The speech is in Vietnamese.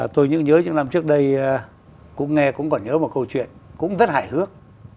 tôi những nhớ những năm trước đây cũng nghe cũng còn nhớ một câu chuyện cũng rất hài hước